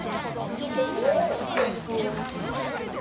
どうしてそう。